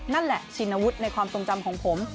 นั่นแหละชินวุฒิในความทรงจำของผม